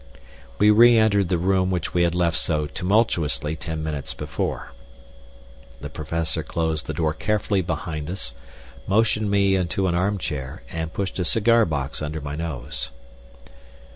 We re entered the room which we had left so tumultuously ten minutes before. The Professor closed the door carefully behind us, motioned me into an arm chair, and pushed a cigar box under my nose.